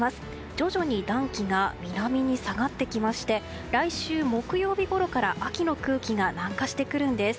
徐々に暖気が南に下がってきまして来週木曜日ごろから秋の空気が南下してくるんです。